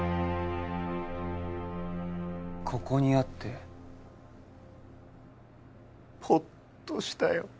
ここにあってポットしたよ